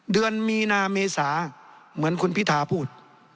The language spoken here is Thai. เดือนมีนาเมษาเหมือนคุณพิธาพูด